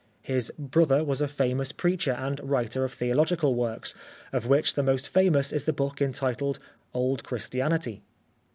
His brother was a famous preacher and writer of theological works, of which the most famous is the book entitled " Old Christianity."